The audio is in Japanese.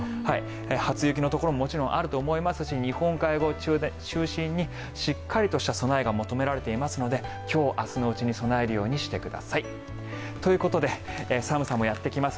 初雪のところももちろんあると思いますし日本海側を中心にしっかりとした備えが求められていますので今日明日のうちに備えるようにしてください。ということで寒さもやってきます